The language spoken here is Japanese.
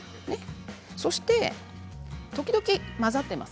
そして時々混ざっています